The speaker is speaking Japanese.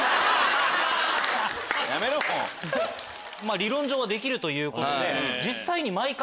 理論上はできるということで実際に毎回。